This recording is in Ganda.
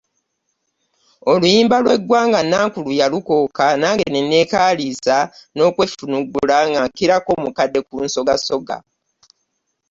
Oluyimba "lw'eggwanga" nankulu yalukooka nange ne nneekaaliisa n'okwefunuggula nga nkirako omukadde ku nsogasoga.